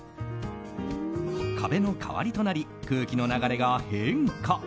壁の代わりとなり空気の流れが変化。